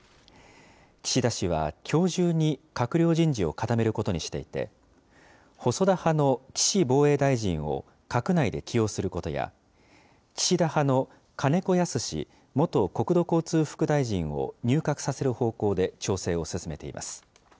岸田氏はきょう中に、閣僚人事を固めることにしていて、細田派の岸防衛大臣を閣内で起用することや、岸田派の金子恭之元国土交通副大臣を入閣させる方向で調整を進めています。